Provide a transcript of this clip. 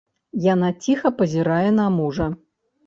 Яна ціха пазірае на мужа.